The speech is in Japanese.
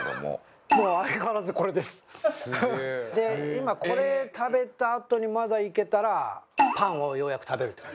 今これ食べたあとにまだいけたらパンをようやく食べるという。